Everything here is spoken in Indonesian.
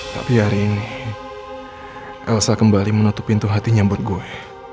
tapi hari ini elsa kembali menutup pintu hatinya buat gue